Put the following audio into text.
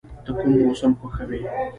ته کوم موسم خوښوې؟